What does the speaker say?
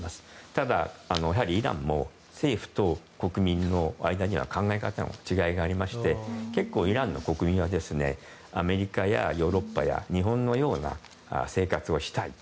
ただ、イランも政府と国民の間には考え方の違いがありまして結構、イランの国民はアメリカやヨーロッパや日本のような生活をしたい。